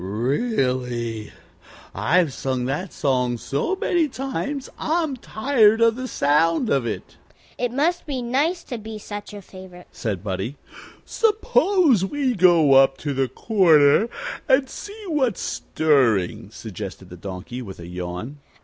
Really, I've sung that song so many times I'm tired of the sound of it." "It must be nice to be such a favorite," said Buddie. "Suppose we go up to the Corner and see what's stirring," suggested the Donkey, with a yawn.